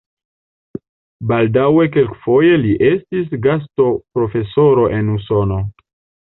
Baldaŭe kelkfoje li estis gastoprofesoro en Usono.